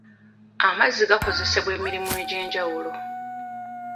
Amazzi gakozesebwa emirimu egy'enjawulo.